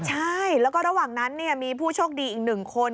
ใช่แล้วก็ระหว่างนั้นมีผู้โชคดีอีกหนึ่งคน